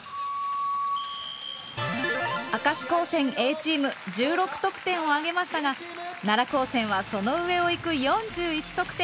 明石高専Ａチーム１６得点を挙げましたが奈良高専はその上をいく４１得点。